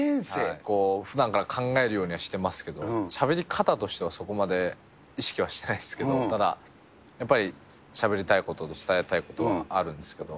ふだんから考えるようにはしてますけど、しゃべり方としてはそこまで意識はしてないですけど、ただ、やっぱり、しゃべりたいこと、伝えたいことはあるんですけど。